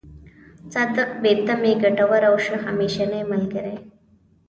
صادق، بې تمې، ګټور او همېشنۍ ملګری.